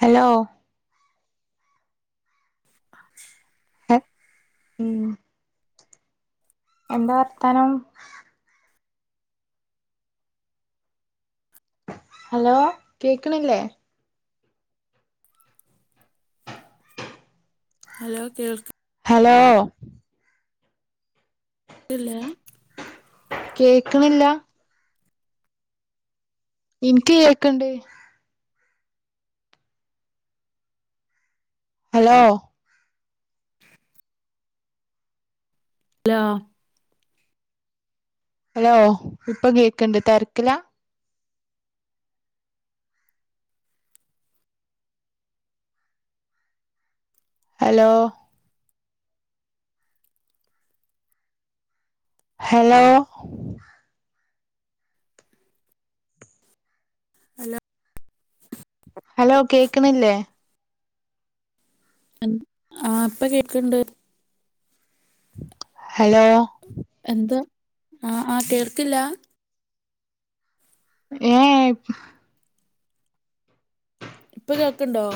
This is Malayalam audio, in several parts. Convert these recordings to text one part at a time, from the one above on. ഹലോ ഉം എന്താ വർത്താനം ഹലോ കേക്കണില്ലേ ഹലോ കേൾക്ക ഹലോ ക്ക്ഇല്ല കേക്കണില്ല ഇനിക്ക് കേക്കണ്ട് ഹലോ ഹലോ ഹലോ ഇപ്പൊ കേക്കണ്ട് തെരക്കിലാ ഹലോ ഹലോ ഹലോ ഹലോ കേക്കണില്ലേ ആ ഇപ്പൊ കേക്ക്ണ്ട് ഹലോ എന്ത ആ ആ കോൾക്കില്ല ഏ ഏ ഇപ്പൊ കേക്കണ്ടോ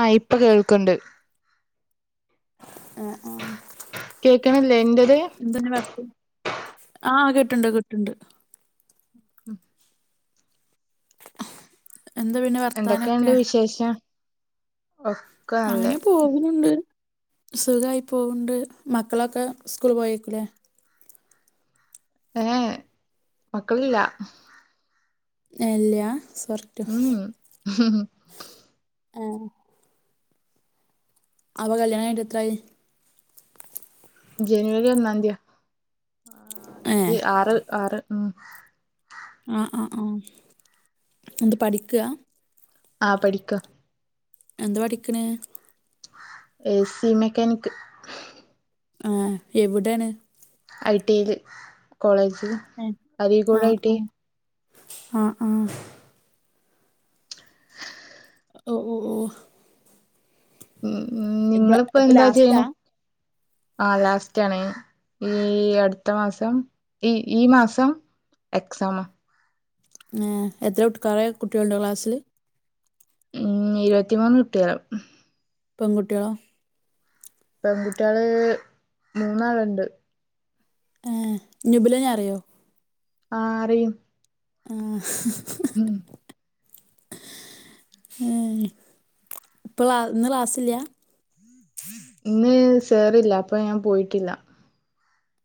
ആ ഇപ്പൊ കേൾക്കണ്ട് ആ ആ കേക്കണല്ലേ ഇന്റത് എന്താണ് വർത്ത ആ കിട്ടുണ്ട് കിട്ടുണ്ട് ഉം എന്താ പിന്നെ എന്തൊക്കെയുണ്ട് വർത്താനൊക്കെ വിശേഷം ഒക്കെ നല്ലത് സുഖമായി പോവൊണ്ട് മക്കളൊക്കെ സ്കൂള് പോയേയ്ക്കൂലേ ഏഹ് മക്കളില്ല ഏഹ് ഇല്ലാ ഉം ഉം ഹ് ഹ് ഹും ആ അപ്പം കല്ലിയാണം കഴിങ്ങിട്ട് എന്ത്രയായി ജനുവരി ഒന്നാംതിയ ആ ഏ എ ആറ് ആറ് ഉം ആഹ് ആഹ് ആഹ് എന്താ പഠിക്കാ ആഹ് പഠിക്ക എന്താ പഠിക്ക്ണെ ഏ സി മെക്കാനിക്ക് ആഹ് എവിടാണ് ഐ ടി എ യിൽ കോളേജിൽ അരീക്കോട് ഐ ടി എ ആഹ് ആഹ് ഒ ഓ ഓഹ് ഉം ഉം നിങ്ങളിപ്പോ ഇപ്പൊ എന്താ ലാസ്റ്റാ ചെയ്യണേ ആ ലാസ്റ്റ് ആണ് ഈ അടുത്ത മാസം ഈ ഈ മാസം എക്സാമാ ഏഹ് എത്ര വിട്ട്ക്കാറായ കുട്ടികളുണ്ടോ ക്ലാസില് ഉം ഇരുപത്തിമൂന്ന് കുട്ടിയാൾ പെങ്കുട്ടിയോളോ പെൺകുട്ടികള് മൂന്നാളുണ്ട് ഏഹ് ഞുബിലനെ അറിയോ ആഹ് അറിയും ആഹ് ഹ് ഹ് ഉം ഏഹ് ഇപ്പളാ ഇന്ന് ക്ലാസില്ല ഇന്ന് സേറില്ല അപ്പൊ ഞാൻ പോയിട്ടില്ല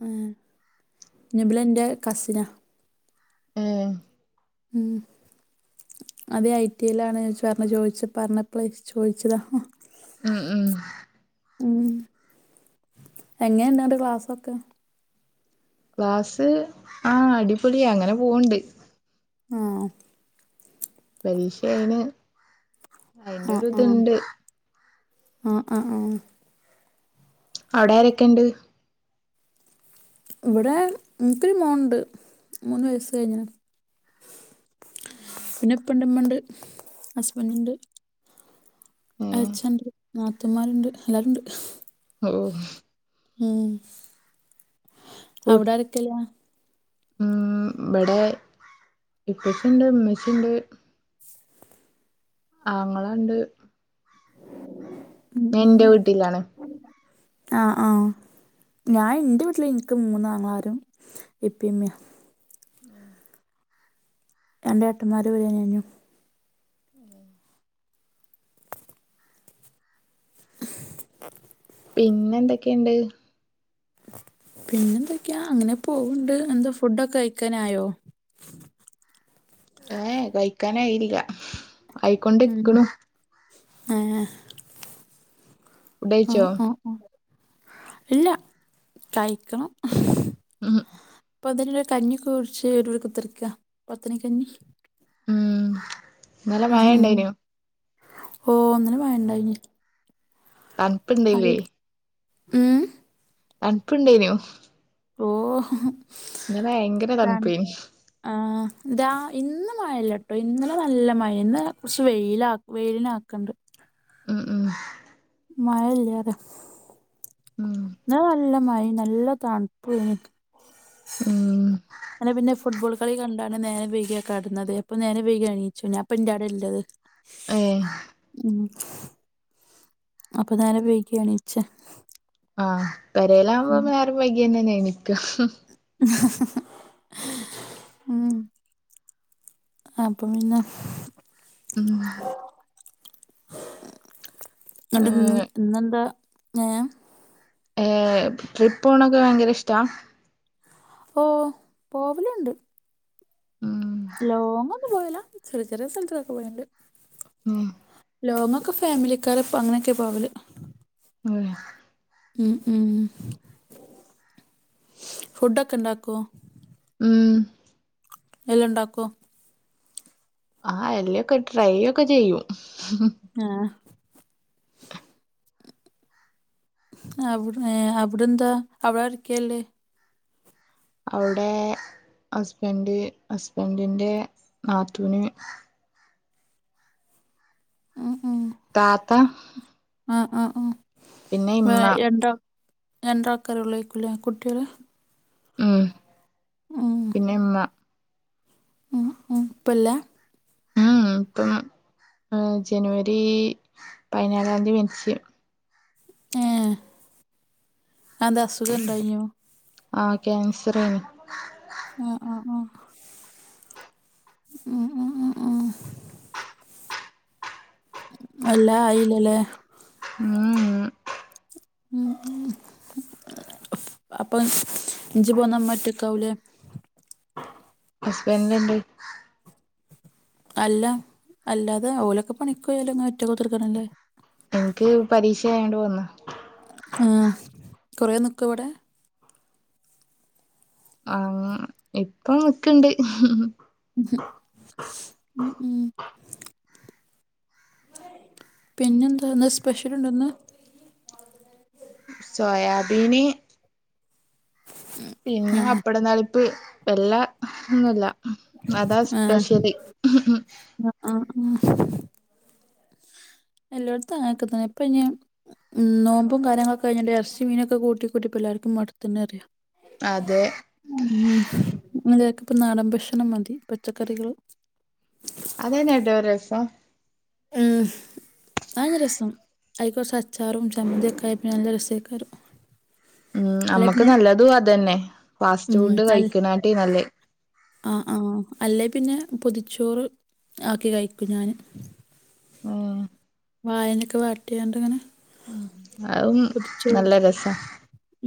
ഏഹ് നുബ് ല ന്റെ കസിനാ ഏഹ് ഉം അതെ ഐ ടി എ യിലാണ് ജ് പറഞ്ഞ ചോദിച്ച് പറഞ്ഞപ്പളെ ചോദിച്ചതാ ഉം ഉം ഉം എങ്ങനെ ഇണ്ട് അന്റെ ക്ലാസ്സൊക്കെ ക്ലാസ്സ് ആഹ് അടിപൊളിയാ അങ്ങനെ പോവ് ണ്ട് ആഹ് പരീക്ഷ ആയിന് ആഹ് അയിന്റൊരു ആഹ് ഇതുണ്ട് ആഹ് ആഹ് ആഹ് അവിടെ ആരൊക്കെ ഇണ്ട് ഇവിടെ ഇൻക്കൊരു മോനുണ്ട് മൂന്ന് വയസ്സ് കഴിഞ്ഞ്നു പിന്നെ ഇപ്പണ്ട് ഇമ്മണ്ട് ഹസ്ബന്റ് ഉണ്ട് ഏ എളച്ഛനുണ്ട് നാത്തൂൻമാരുണ്ട് എല്ലാരുണ്ട് ഓ ഉം കു അവിടെ ആരൊക്കെയില്ലേ ഉം ഇവിടെ ഇപ്പച്ചിണ്ട് ഇമ്മച്ചിണ്ട് ആങ്ങളണ്ട് ഉം ഞാൻ ഉം എന്റെ വീട്ടിലാണ് ആഹ് ആഹ് ഞാൻ എന്റെ വീട്ടില് എനിക്ക് മൂന്നാങ്ങളാരും ഇപ്പയും ഉമ്മയും ഉം രണ്ട് ഏട്ടമ്മാര് വര [unintelligible] ഉം പിന്നെ എന്തൊക്കെയുണ്ട് പിന്നെന്തൊക്കെയാ അങ്ങനെ പോവണ്ട് എന്താ ഫുഡൊക്കെ കഴിക്കാനായോ ഏ ഏഹ് കഴിക്കാനായില്ല ആയിക്കൊണ്ടിരിക്ക്ണു ഏ ഫുഡ് ആ കഴിച്ചോ ആ ആ ഇല്ല കഴിക്കണം ഉം പൊതല്ല കഞ്ഞി ക്കെ കുടിച്ച് [unintelligible] പത്തനിക്കഞ്ഞി ഉം നല്ല മഴ ഇണ്ടായിനോ ഓ ഒന്നിനും മഴ ണ്ടായിനിം തണുപ്പ്ണ്ടല്ലേ ഉം തണപ്പ ഇണ്ടേനോ? ഓ ഭയങ്കര ഇതണ് തണുപ്പേനു ആ ഇതാ ഇന്നും മയല്ലോട്ടോ ട്ടോ ഇന്നലെ നല്ല മഴേനിം ഇന്ന് കുറച്ച് വെയില വെയിലിനാക്കണ്ട് ഉം ഉം മഴല്ല അത ഉം ഇന്നലെ നല്ല മഴ നല്ല കാ ഉം അനെ പിന്നെ ഫുട്ബോൾ കളി കാണ കാരണം നേരെ വൈകിയ കടന്നത് അപ്പൊ നേരം വൈക എണീച്ചു ഞാപ്പം എന്റെടെ ഇള്ളത് ഏ ഉം അപ്പ ഞാന് വൈകിയ എണീച്ചെ ആ പെരയിലാകുമ്പോ ഉം നേരം വൈകെന്നെ എണീക്ക ഉം അപ്പം പിന്നെ ഉം ഏ ഇന്നിട്ട് ഇന്ന് ഇന്നെന്താ ഏ ഏ ട്രിപ്പ് പോണൊക്കെ ഭയങ്കര ഇഷ്ടാ ഓ പോവലുണ്ട് ഉം ലോങ് ഒന്നും പോയല ചെറിയ ചെറിയ സ്ഥലത്തൊക്കെ പോയണ്ട് ഉം ലോങ്ങൊക്കെ ഫാമിലിക്കാരൊപ്പൊ അങ്ങനെയൊക്കെ പോാവല് ഉം ഉം ഉം ഫുഡൊക്കെ ഇണ്ടാക്കുവൊ ഉം എല്ലാം ഇണ്ടാക്കോ? ആ എല്ലൊക്കെ ട്രൈ ഒക്കെ ചെയ്യും ആ അവിട് ഏ അവിടെന്താ അവിടരൊക്കെല്ലേ അവിടെ ഹസ്ബൻഡ് ഹസ്ബൻഡിന്റെ നാത്തൂന് താത്ത ആ ആ ആ പിന്നെ വേ ഇമ്മ എന്ത രണ്ടാൾക്കാര് ഒള്ളോയ്ക്കൂലെ കുട്ടിയള് ഉം പിന്നെ മ്മ ഉം ഉം ഇപ്പല്ല ഊം ഉം ഉപ്പൊന്നും ആ ജനുവരി പതിനാലാം തീയതി മരിച്ച് ഏ അന്താ അസുഖണ്ടായിനോ ആ കാൻസറയ്നിം ആ ആ ആ ഊ ഊ ഉം എല്ലാ ആയില്ലലേ ഊ ഉം ഉം ഉം അപ്പൊ ഇജ്ജ് പോന്ന മ്മറ്റക്കാവൂലേ? അസ്ബന്റ്ന് എന്താ ജോലി അല്ല അല്ലാതെ ഓലൊക്കെ പണിക്കൊയാൽ ങ്ങനെ ഒറ്റ കുത്തിർക്കണല്ലേ എനിക്ക് പരീക്ഷ ആയോണ്ട് പോന്ന് ആഹ കൊറേ നിക്കോ വടെ ആ ഇപ്പം നിക്ക്‌ ണ്ട് ഉ ഉം ഉം പിന്നെന്താന്ന് സ്പെശലുണ്ടോന്ന് സോയാബീന് പിന്നെ ആഹ് പപ്പടം തളിപ്പ് എല്ലാ ഒന്നുല്ല അതാ ആഹ് സ്പെഷ്യല് ആഹ് ആഹ് എല്ലായിടത്തും ആങ്ങനൊക്കെതന്നെ ഇപ്പൊ ഞ്ഞി നോമ്പും കാര്യങ്ങളൊക്കെ കയിഞ്ഞാണ്ട് ഇറച്ചി മീനൊക്കെ കൂട്ടി കൂട്ടി ല്ലർക്കും മടുത്ത്ണറിയ അതെ മ് പ്പല്ലാർക്കും ഇപ്പൊ നാടൻ ഭക്ഷണം മതി പച്ചക്കറികൾ അതന്നെ ട്ടോ രസം ഉ അന്നെ രസം ഐകോർച്ചചാറുംം സംബന്ധി കൈബിനാന ര സേഖർ ഉം അമ്മക്ക് നല്ലതും അതന്നെ ഫാസ്റ്റ് ഫുഡ് കഴിക്കണാട്ടെ നല്ലേ ആ ആഹ അല്ലേ പിന്നെ പൊതിച്ചോറ് ആക്കി കഴിക്കും ഞാാന് ആഹ വായലെക്കെ വാട്ടിയണ്ടാണ് ഉം അതും പൊതിച്ചോറ് നല്ല രസാ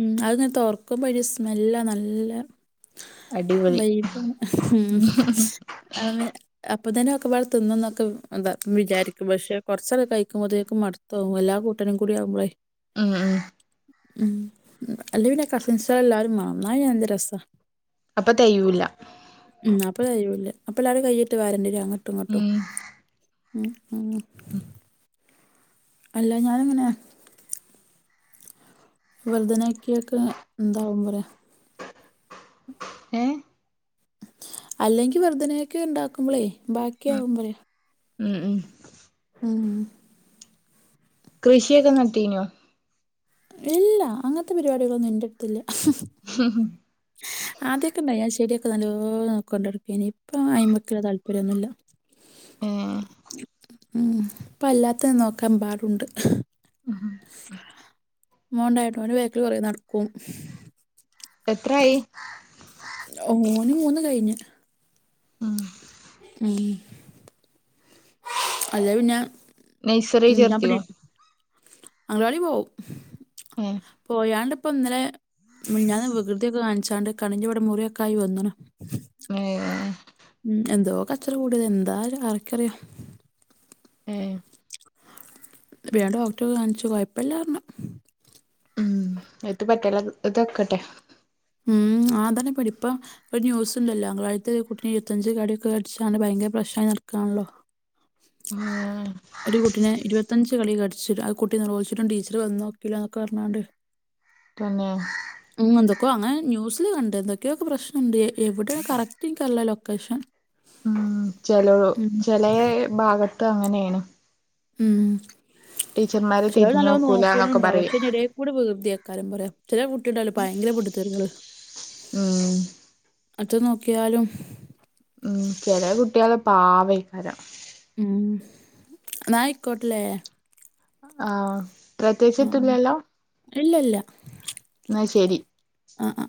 ഉം അത്ങ്ങനെ തൊർക്കുമ്പോ അയ്‌ന്റെ സ്മെല്ലാ നല്ലെ അടിപൊളി വൈബ് ആണ് ഉം പ്പ തന്നെയൊക്കെപാടെ തിന്നൊക്കൊ വിചാരിക്കും പക്ഷേ കുറച്ചക്ക കഴിക്കുമ്പോഴത്തേക്ക മടുത്തോവും എല്ലാ കൂട്ടനുംകൂടെ കൂടി ആവുമ്പളേയ് ഉം ഉം ഉം അല്ലെ പിന്നെ കസിൻസൊക്കെ എല്ലാരും മാണം ന്നാ പിന്നെ രസാ അപ്പൊ തെയൂല ഉം അപ്പാളോയ് വുണ്ട് അപ്പള്ളത് കൈഞ്ഞിട്ട് വേറെന്തെലും അങ്ങട്ടുംങ്ങോട്ടും ഉം ഉം ഹ്മ്മ് അല്ല ഞാാനിങ്ങനെ വർധനക്കിയൊക്കെ എന്താവും പറയാ ഏ അല്ലെങ്കില് വര്ധനയൊക്കെ ഉണ്ടാക്കുമ്പളേ ബാക്കിയാവുമ്പളേയ് മം ഉം ആഹ കൃഷിയൊക്കെ നട്ടീനോ ഇല്ല അങ്ങനത്തെ പരിപാടികളൊന്നും എന്റെറട്ത്തില്ല ഹ് ഉം ഹ് ആദ്യമൊക്കെ ഇണ്ടായി ഞാൻ ചെടിയൊക്കെ നല്ലോ നോക്കണ്ടണ്ട്ക്കയ്നി ഇപ്പ അയ്മയ്ക്ക്‌ള്ള താല്പര്യന്നുല്ല [unintelligible] ഉ ഇപ്പ അല്ലാത്ത നോക്കാനമ്പാടുണ്ട് ടുണ്ട് മോൻണ്ടായിട്ടോ ഓന്റെ ബേക്കല് കുറ നടക്കും എത്രായി ഓന് മൂന്ന് കഴിഞ് ആഹ അ അത് പിന്നെ നൈസറി ചേർത്തിയോ അഗലവാടി പോകും ഏ പോയാണ്ട് ഇപ്പം ഇന്നലെ ഞാൻ വികൃതിയൊക്കെ കാണിച്ചാണ്ട് കണിന്റെ ഇവിടെ മുറിയൊക്കെ ആയി വന്ണ് ഏ ഉം എന്തോ കച്ചറ കൂടിയത് എന്താ ആർക്കറിയാം ഉം വേണ്ട ഡോക്ടർ കാണിച്ചു കുഴപല്ലാ പറഞ്ഞു ഉം എത്തും പറ്റാതെ നിക്കട്ടെ ഉം ആതാണ് ഇടി ഇപ്പൊ ഒരു ന്യൂസ് ഉണ്ടല്ലോം അഗം വാടിത്തെ കുട്ടി നെ ഇരുത്തഞ്ച് കടിയൊക്കെ കടിച്ചാണ് ഭയങ്കര പ്രശ്നം അയ്ന് നടക്കാണല്ലേ ഉം ഒരു കുട്ടിനെ ഇരുപത്തഞ്ച് കടി കടിച്ചിട്ട് ആ കുട്ടിനെലോളിച്ചിട്ടും ടീച്ചർ വന്നു നോക്കില്ലോ എന്നൊക്കെ പറഞ്ഞാണ്ട് പിന്നെ എന്തൊക്കോ അങ്ങനെ ന്യൂസില് കണ്ടണ്ട് എന്തൊക്കെയോ ഒക്കെ പ്രശ്നം ഉണ്ട് എവിടെയ കറക്റ്റ് എനിക്കല്ല ലൊക്കേഷൻ ഉം ചെല ഉം ചെല ഭാഗത്ത് അങ്ങനെയാണ് ഉം ചില തിരിഞ്ഞു നല്ലോ നോക്കുണ് നോക്കൂലാന്നൊക്കെ ഉണ്ടാവും പക്ഷെ പറയും അയിന്റെ എടക്കൂടെ വീകൃതിയേക്കാരം പറയാം ചില കുട്ടിടല്ലോ ഭയങ്കര പെട്ടിതെറികള് ഉം അറ്റ നോക്കാ യാലും ചെല കുട്ടിയാള് പാവേക്കാരം ഉം ന്നായിക്കോട്ടല്ലേ ആ പ്രത്യേകിച്ച് എത്തും ആ ഇല്ല ഇല്ല ഇല്ലല്ലേഎന്ന ശരി ആ ആ